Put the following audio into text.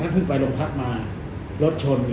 เพิ่งไปโรงพักมารถชน